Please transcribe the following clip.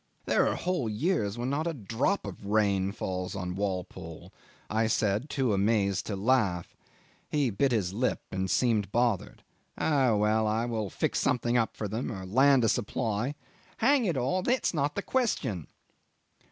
"There are whole years when not a drop of rain falls on Walpole," I said, too amazed to laugh. He bit his lip and seemed bothered. "Oh, well, I will fix up something for them or land a supply. Hang it all! That's not the question."